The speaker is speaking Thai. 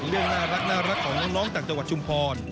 เรื่องน่ารักของน้องต่างจังหวัดชุมพร